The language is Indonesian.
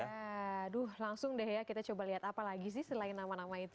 aduh langsung deh ya kita coba lihat apa lagi sih selain nama nama itu